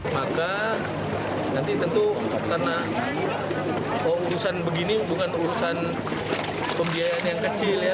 maka nanti tentu karena urusan begini bukan urusan pembiayaan yang kecil ya